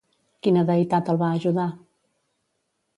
Quina deïtat el va ajudar?